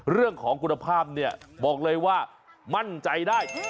เรื่องของคุณภาพเนี่ยบอกเลยว่ามั่นใจได้